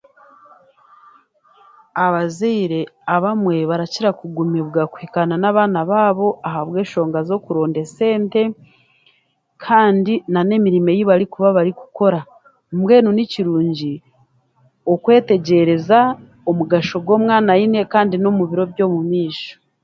Abazaire abamwe barakira kugumibwa kuhikaana nabaana baabo ahabwenshonga z'okuronda esente kandi nan'emirimu eibarikuba barikukora mbwenu nikirungi okwetegyereza omugahso gw'omwana aine kandi n'omubiro by'omumaisho.